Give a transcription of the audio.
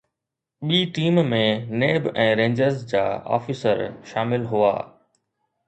ٻي team ۾ NAB ۽ Rangers جا officer شامل هئا